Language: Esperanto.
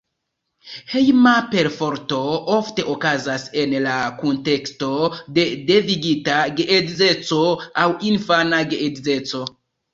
Hejma perforto ofte okazas en la kunteksto de devigita geedzeco aŭ infana geedzeco.